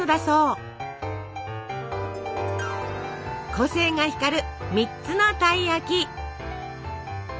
個性が光る３つのたい焼き。